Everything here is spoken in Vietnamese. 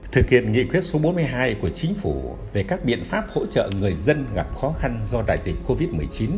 thực hiện nghị quyết số bốn mươi hai của chính phủ về các biện pháp hỗ trợ người dân gặp khó khăn do đại dịch covid một mươi chín